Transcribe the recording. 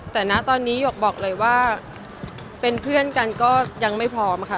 แต่นะตอนนี้หยกบอกเลยว่าเป็นเพื่อนกันก็ยังไม่พร้อมค่ะ